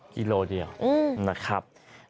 กิโลเดียวนะครับ